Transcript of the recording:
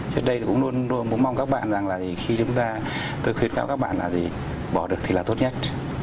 chứ đây cũng luôn luôn mong các bạn rằng là khi chúng ta tôi khuyến khích các bạn là bỏ được thì là tốt nhất